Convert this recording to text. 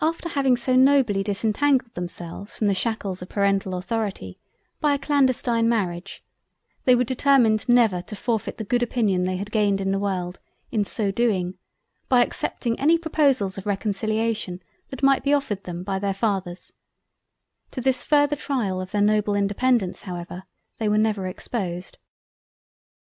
After having so nobly disentangled themselves from the shackles of Parental Authority, by a Clandestine Marriage, they were determined never to forfeit the good opinion they had gained in the World, in so doing, by accepting any proposals of reconciliation that might be offered them by their Fathers—to this farther tryal of their noble independance however they never were exposed.